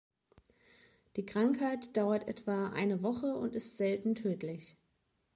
Die Krankheit dauert etwa eine Woche und ist selten tödlich.